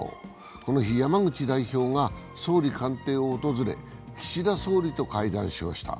この日、山口代表が総理官邸を訪れ岸田総理と会談しました。